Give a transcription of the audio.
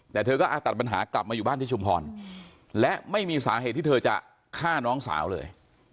แต่เธอก็อาตัดปัญหากลับมาอยู่บ้านที่ชุมพรและไม่มีสาเหตุที่เธอจะฆ่าน้องสาวเลย